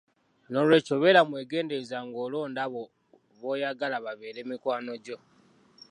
N’olwekyo beera mwegendereza ng’olonda abo b’oyagala babeere mikwano gyo.